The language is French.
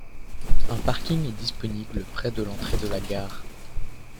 Un parking est disponible près de l'entrée de la gare.